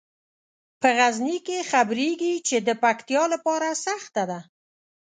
په غزني کې خبریږي چې د پکتیا لیاره سخته ده.